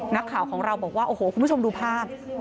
นักข่าวของเราบอกว่าโอ้โหคุณผู้ชมดูภาพ